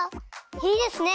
いいですね。